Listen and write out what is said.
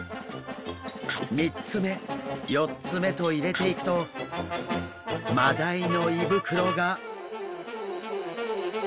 ３つ目４つ目と入れていくとマダイの胃袋が。